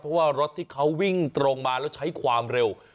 เพราะว่ารถที่เขาวิ่งตรงมาแล้วใช้ความเร็ว